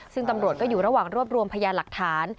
ซึ่งตำรวจก็อยู่ระหว่างรวบรวมพยานหลักฐาน